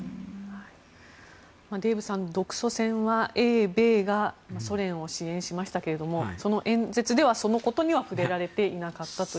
デーブさん独ソ戦は英米がソ連を支援しましたが演説ではそのことには触れられていなかったと。